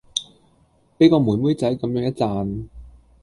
俾個妹妹仔咁樣一讚